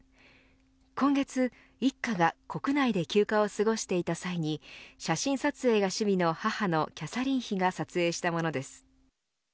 今月、一家が国内で休暇を過ごしていた際に写真撮影が趣味の母のキャサリン妃が撮影したものです。